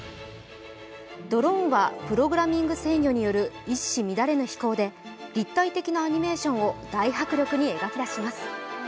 ドローンはプログラム制御による一糸乱れぬ飛行で立体的なアニメーションを大迫力に描き出します。